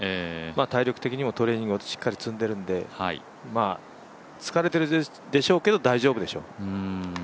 体力的にもトレーニングをしっかり積んでいるので疲れているでしょうけど、大丈夫でしょう。